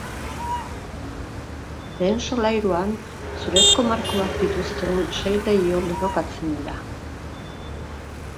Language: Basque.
Lehen solairuan zurezko markoak dituzten sei leiho lerrokatzen dira.